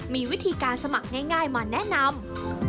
มีวิธีการสมัครง่ายมาแนะนำ